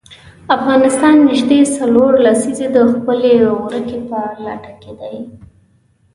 افغانستان نژدې څلور لسیزې د خپلې ورکې په لټه کې دی.